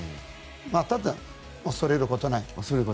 ただ、恐れることはない。